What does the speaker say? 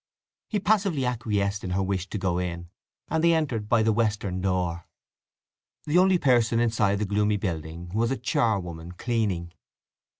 He passively acquiesced in her wish to go in, and they entered by the western door. The only person inside the gloomy building was a charwoman cleaning.